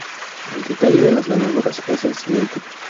El detalle de las ganadoras es el siguiente.